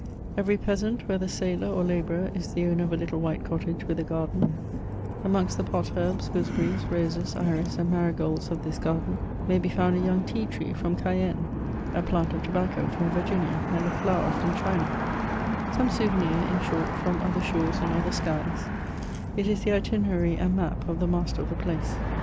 Every peasant, whether sailor or labourer, is the owner of a little white cottage with a garden ; amongst the pot herbs, goose berries, roses, iris, and marygolds of this garden, may be found a young tea tree from Cayenne, a plant of tobacco from Virginia, and a flower from China; some souvenir, in short, from other shores and other skies : it is the itinerary and map of the master . of the place.